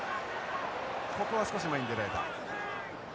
ここは少し前に出られた。